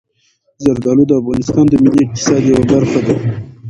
زردالو د افغانستان د ملي اقتصاد یوه برخه ده.